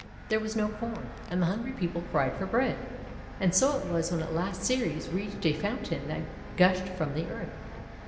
There was no Corn, and the hungry people cried for bread. And so it was when at last Ceres reached a fountain that gushed from the earth.